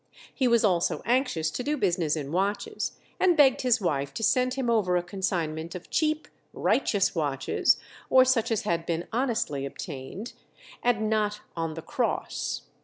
He was also anxious to do business in watches, and begged his wife to send him over a consignment of cheap "righteous" watches, or such as had been honestly obtained, and not "on the cross."